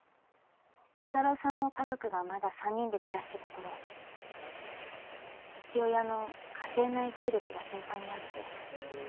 コタローさんの家族がまだ３人で暮らしてた頃父親の家庭内暴力が頻繁にあって。